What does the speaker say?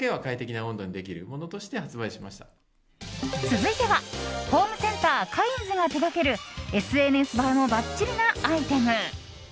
続いては、ホームセンターカインズが手掛けるＳＮＳ映えもバッチリなアイテム。